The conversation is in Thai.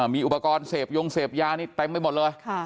๕๐เมตร